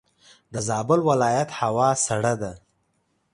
دزابل ولایت هوا سړه ده.